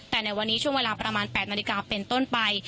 แต่ในวันนี้ช่วงเวลาประมาณ๘นาฬิกาเป็นต้นไป